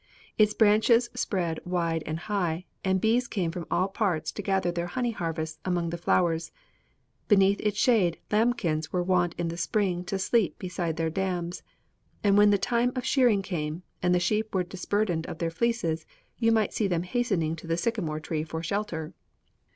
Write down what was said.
Its branches spread wide and high, and bees came from all parts to gather their honey harvests among the flowers; beneath its shade lambkins were wont in spring to sleep beside their dams; and when the time of shearing came, and the sheep were disburdened of their fleeces, you might see them hastening to the sycamore tree for shelter.